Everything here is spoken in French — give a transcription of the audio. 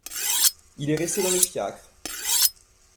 Il est resté dans le fiacre !